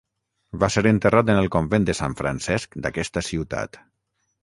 Va ser enterrat en el convent de Sant Francesc d'aquesta ciutat.